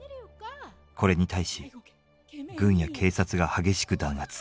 これに対し軍や警察が激しく弾圧。